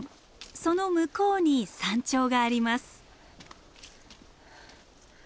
その向こうに山頂があります。